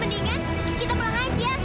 mendingan kita pulang aja